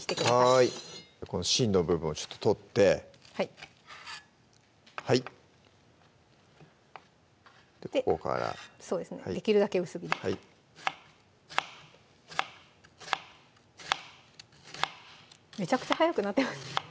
はいこの芯の部分を取ってはいここからそうですねできるだけ薄切りにめちゃくちゃ速くなってます